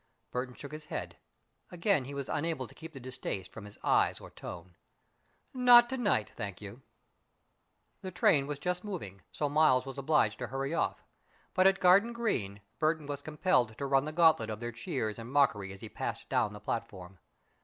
Burton shook his head. Again he was unable to keep the distaste from his eyes or tone. "Not to night, thank you." The train was just moving, so Miles was obliged to hurry off, but at Garden Green, Burton was compelled to run the gauntlet of their cheers and mockery as he passed down the platform.